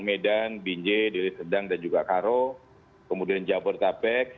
medan binje dirisedang dan juga karo kemudian jabodetabek